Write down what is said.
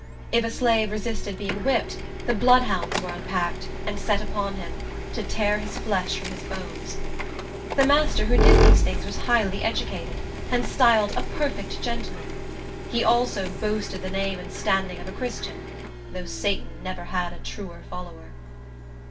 If a slave resisted being whipped, the bloodhounds were unpacked, and set upon him, to tear his flesh from his bones. The master who did these things was highly educated, and styled a perfect gentleman. He also boasted the name and standing of a Christian, though Satan never had a truer follower.